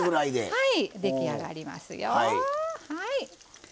はい。